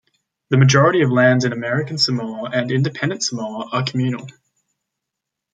The majority of lands in American Samoa and independent Samoa are communal.